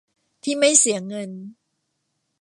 ที่ไม่เสียเงิน